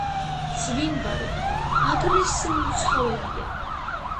მძვინვარე, აგრესიული ცხოველია.